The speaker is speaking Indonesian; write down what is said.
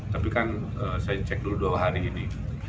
tapi kan saya cek dulu dua hari ini